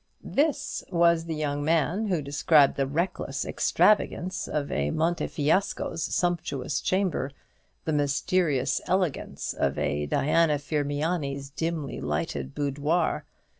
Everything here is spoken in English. This was the young man who described the reckless extravagance of a Montefiasco's sumptuous chamber, the mysterious elegance of a Diana Firmiani's dimly lighted boudoir.